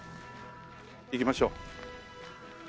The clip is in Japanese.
行きましょう。